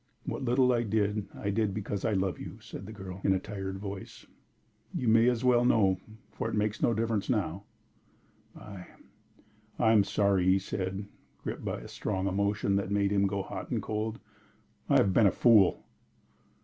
"What little I did, I did because I love you," said the girl, in a tired voice. "You may as well know, for it makes no difference now." "I I am sorry," he said, gripped by a strong emotion that made him go hot and cold. "I have been a fool."